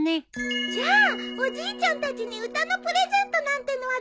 じゃあおじいちゃんたちに歌のプレゼントなんてのはどうかな？